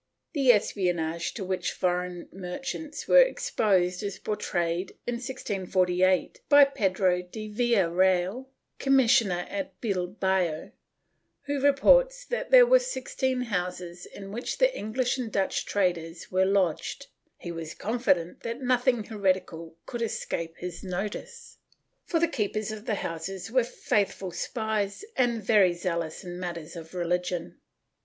^ The espionage to which foreign merchants were exposed is portrayed, in 1648, by Pedro de Villa real, commissioner at Bilbao, who reports that there were sixteen houses in which the English and Dutch traders were lodged; he was confident that nothing heretical could escape his knowledge, for the keepers of the houses were faithful spies and very zealous in matters of religion.